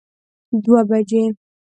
دوه بجی